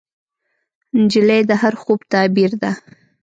نجلۍ د هر خوب تعبیر ده.